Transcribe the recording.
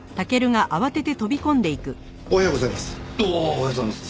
おはようございます。